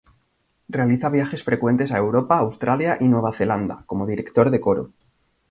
Realiza viajes frecuentes a Europa, Australia y Nueva Zelanda como director de coro.